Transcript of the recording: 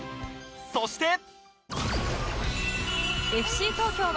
そして